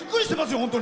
本当に。